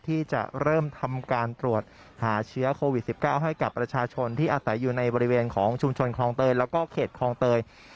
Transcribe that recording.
ที่จะเริ่มทำการตรวจหาเชื้อโควิด๑๙ให้กับประชาชนที่อาศัยอยู่ในบริเวณของชุมชนคลองเตยแล้วก็เขตคลองเตย